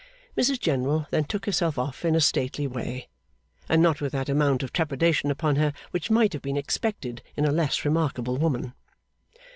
Mrs General then took herself off in a stately way, and not with that amount of trepidation upon her which might have been expected in a less remarkable woman.